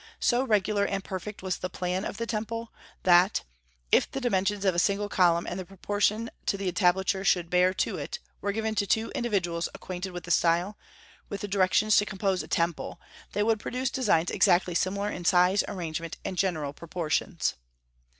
So regular and perfect was the plan of the temple, that "if the dimensions of a single column and the proportion the entablature should bear to it were given to two individuals acquainted with the style, with directions to compose a temple, they would produce designs exactly similar in size, arrangement, and general proportions."